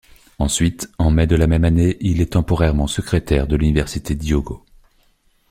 Ensuite, en mai de la même année, il est temporairement secrétaire de l'université d'Hyōgo.